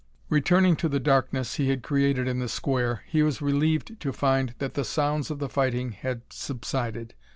Returning to the darkness he had created in the Square, he was relieved to find that the sounds of the fighting had subsided.